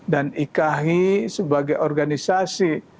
dan ikhi sebagai organisasi